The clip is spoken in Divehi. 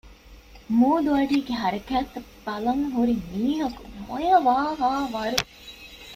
މޫދުއަޑީގެ ހަރަކާތްތައް ބަލަން ހުރި މީހަކު މޮޔަވާހާވަރު